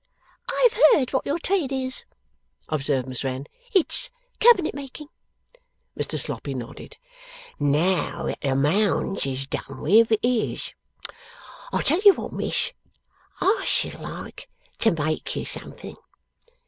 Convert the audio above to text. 'I have heard what your trade is,' observed Miss Wren; 'it's cabinet making.' Mr Sloppy nodded. 'Now that the Mounds is done with, it is. I'll tell you what, Miss. I should like to make you something.